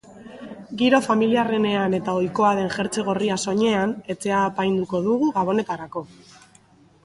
Giro familiarrenean eta ohikoa den jertse gorria soinean, etxea apainduko dugu gabonetarako.